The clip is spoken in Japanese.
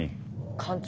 艦長。